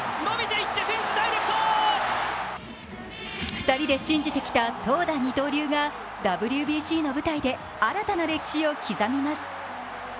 ２人で信じてきた投打二刀流がＷＢＣの舞台で新たな歴史を刻みます。